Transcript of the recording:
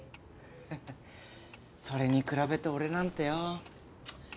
ハハッそれに比べて俺なんてよ